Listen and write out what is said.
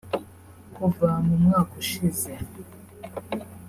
Kuva mu mwaka ushize